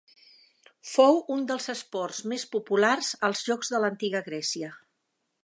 Fou un dels esports més populars als Jocs de l'Antiga Grècia.